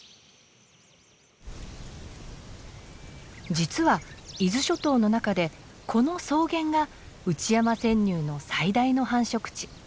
実は伊豆諸島の中でこの草原がウチヤマセンニュウの最大の繁殖地。